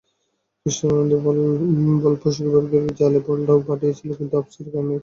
Cristiano Ronaldo ভলফসবুর্গের জালে বলও পাঠিয়েছিলেন, কিন্তু অফসাইডের কারণে ওটা গোল হয়নি।